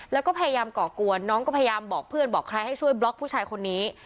แล้วก็พยายามก่อกวนน้องก็พยายามบอกเพื่อนบอกใครให้ช่วยบล็อกผู้ชายคนนี้